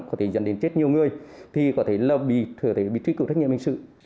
có thể dẫn đến chết nhiều người thì có thể là bị truy cầu trách nhiệm hình sự